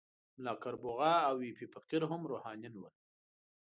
ملا کربوغه او ایپی فقیر هم روحانیون ول.